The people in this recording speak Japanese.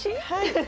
はい。